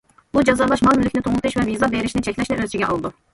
بۇ جازالاش مال- مۈلۈكنى توڭلىتىش ۋە ۋىزا بېرىشنى چەكلەشنى ئۆز ئىچىگە ئالىدۇ.